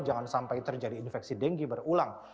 jangan sampai terjadi infeksi denggi berulang